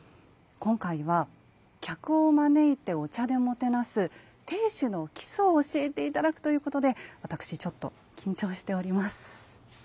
今回は客を招いてお茶でもてなす亭主の基礎を教えて頂くということで私ちょっと緊張しております。